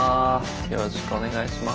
よろしくお願いします。